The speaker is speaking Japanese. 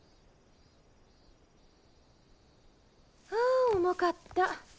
あ重かった。